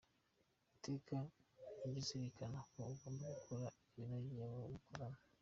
Iteka jya uzirikana ko ugomba gukora ibinogeye abo mukorana.